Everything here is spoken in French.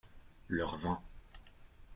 Leur vin.